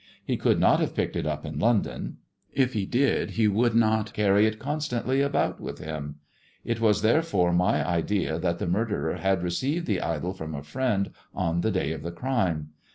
He could not have picked it up in London. If he did, he would not carry it constantlj about with him. It was therefore my idea that the murderer had received the idol from a friend on the day of the crime.